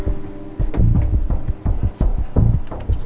aku tak bisa irut sama kakakku